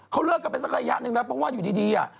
เขาเลิกกันไปสักระยะหนึ่งแล้วเพราะว่าอยู่ดี